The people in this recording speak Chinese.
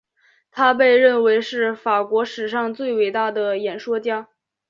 他被认为是法国史上最伟大的演说家。